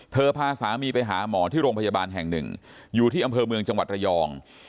พาสามีไปหาหมอที่โรงพยาบาลแห่งหนึ่งอยู่ที่อำเภอเมืองจังหวัดระยอง